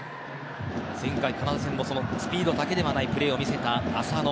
前回カナダ戦でもスピードだけではないプレーを見せた浅野。